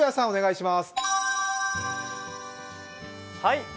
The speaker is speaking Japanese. お願いします。